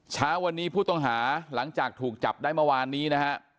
เช้าวันนี้ผู้ต้องหาหลังจากถูกจับได้เมื่อวานนี้นะฮะ